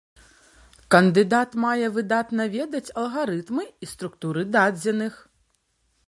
Кандыдат мае выдатна ведаць алгарытмы і структуры дадзеных.